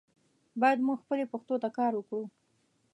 باید مونږ خپلې پښتو ته کار وکړو.